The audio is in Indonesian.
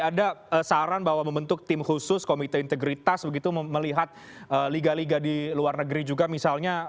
ada saran bahwa membentuk tim khusus komite integritas begitu melihat liga liga di luar negeri juga misalnya